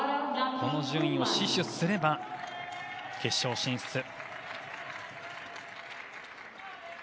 この順位を死守すれば決勝進出。